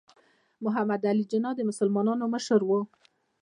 محمد علي جناح د مسلمانانو مشر و.